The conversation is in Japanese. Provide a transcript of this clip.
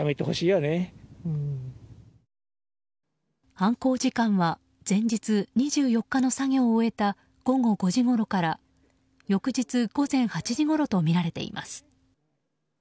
犯行時間は前日２４日の作業を終えた午後５時ごろから翌日午前８時ごろとみられています。